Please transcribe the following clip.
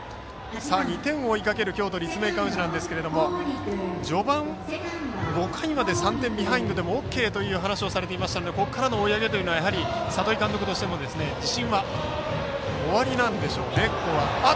２点を追いかける京都・立命館宇治ですが序盤、５回まで３点ビハインドでもＯＫという話をされていましたのでここからの追い上げというのはやはり里井監督としても自信はおありなんでしょうね。